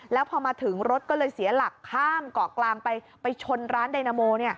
แล้วพอมาถึงรถก็เลยเสียหลักข้ามเกาะกลางไปไปชนร้านไดนาโม